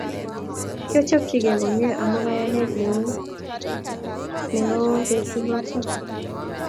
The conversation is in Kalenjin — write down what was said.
Kiochobkei komye amu kayanet neo betut noto